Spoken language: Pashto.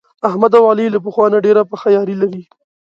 احمد او علي له پخوا نه ډېره پخه یاري لري.